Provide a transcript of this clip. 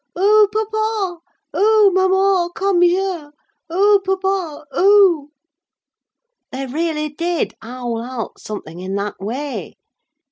Oh, papa! Oh, mamma, come here. Oh, papa, oh!' They really did howl out something in that way.